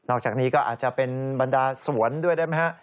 จากนี้ก็อาจจะเป็นบรรดาสวนด้วยได้ไหมฮะ